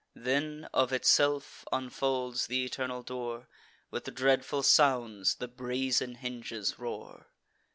Then, of itself, unfolds th' eternal door; With dreadful sounds the brazen hinges roar.